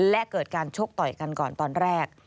และเกิดการชกต่อยกันก่อนตอนแรก